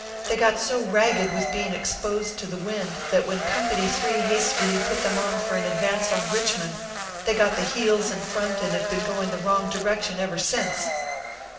They got so ragged with being ex ORPHEUS C. KERR PAPERS. 337 posed to the wind, that when Company 3 hastily put them on for an advance on Richmond, they got the heels in front and have been going in the wrong direc tion ever since."